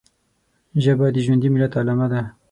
ژبه د ژوندي ملت علامه ده